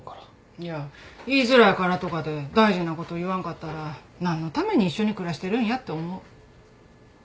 いや言いづらいからとかで大事なこと言わんかったら何のために一緒に暮らしてるんやって思う。